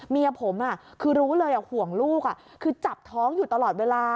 เมียผมคือรู้เลยห่วงลูกคือจับท้องอยู่ตลอดเวลา